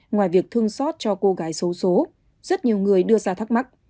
ngoài việc thương xót cho cô gái xấu xố rất nhiều người đưa ra thắc mắc